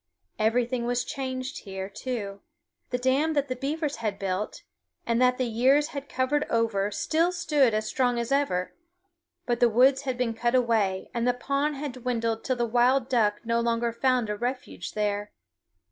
Everything was changed here, too. The dam that the beavers had built, and that the years had covered over, still stood as strong as ever; but the woods had been cut away, and the pond had dwindled till the wild duck no longer found a refuge there.